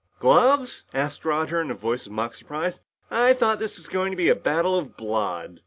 "Gloves?" asked Roger, in a voice of mock surprise. "I thought this was going to be a battle of blood."